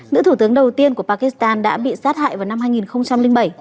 nữ thủ tướng đầu tiên của pakistan đã bị sát hại vào năm hai nghìn bảy